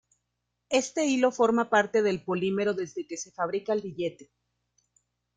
Este hilo forma parte del polímero desde que se fabrica el billete.